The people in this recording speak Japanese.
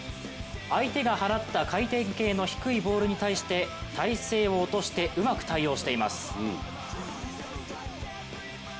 相手が放った回転系の低いボールに対して体勢を落としてうまく対応しています。